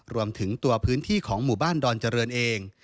รวมถึงตัวพื้นที่ของหมู่บ้านดอนเจริญเอง